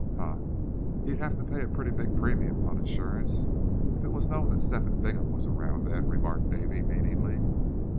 "Huh! he'd have to pay a pretty big premium on insurance if it was known that Step hen Bingham was around, then," remarked Davy, meaningly.